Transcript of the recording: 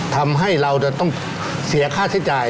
ทำให้เราจะต้องเสียค่าใช้จ่าย